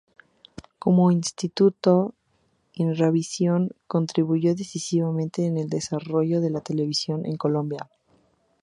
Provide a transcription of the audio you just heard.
Como Instituto, Inravisión contribuyó decisivamente al desarrollo de la televisión en Colombia.